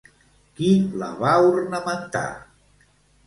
Qui la va ornamentar?